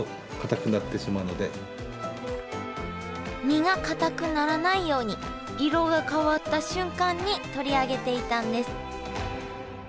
身がかたくならないように色が変わった瞬間に取り上げていたんです。